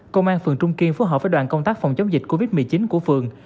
công an phường trung kiên phối hợp với đoàn công tác phòng chống dịch covid một mươi chín của phường